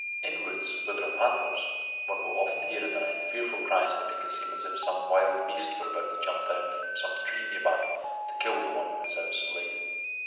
In woods where there are panthers one will often hear in the night fearful cries that make it seem as if some wild beast were about to jump down from some tree near by to kill the one who is out so late.